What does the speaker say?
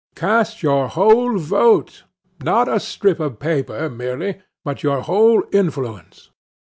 Cast your whole vote, not a strip of paper merely, but your whole influence.